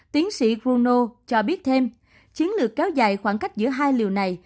tiến sĩ bruno cho biết thêm chiến lược kéo dài khoảng cách giữa hai liều này